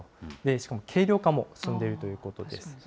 しかも軽量化も進んでいるということです。